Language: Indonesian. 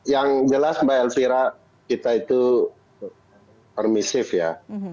yang jelas mbak elvira kita itu permisif ya